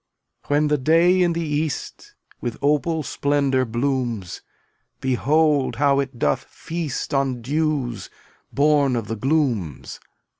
275 When the day in the east With opal splendor blooms, Behold how it doth feast On dews born of the glooms.